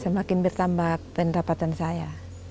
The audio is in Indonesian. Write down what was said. semakin bertambah pendapatan saya